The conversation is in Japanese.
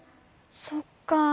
そっか。